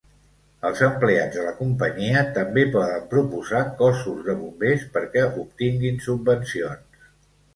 Els empleats de la companyia també poden proposar cossos de bombers perquè obtinguin subvencions.